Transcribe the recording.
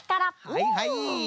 はいはい。